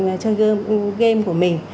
nói về thời lượng chơi game của mình